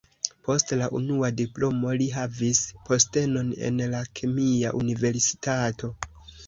Post la unua diplomo li havis postenon en la kemia universitato.